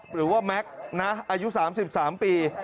หรือว่าแม็กซ์นะอายุ๓๓ปี